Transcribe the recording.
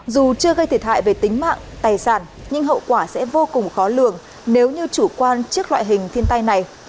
dù chưa gây thiệt hại về tính mạng tài sản nhưng hậu quả sẽ vô cùng khó lường nếu như chủ quan trước loại hình thiên tai này